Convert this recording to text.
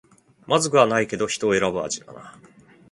まずくはないけど人を選ぶ味だな